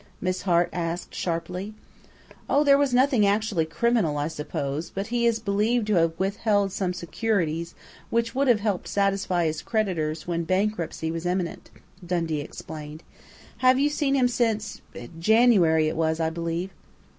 Miss Hart asked sharply. "Oh, there was nothing actually criminal, I suppose, but he is believed to have withheld some securities which would have helped satisfy his creditors, when bankruptcy was imminent," Dundee explained. "Have you seen him since then January it was, I believe?"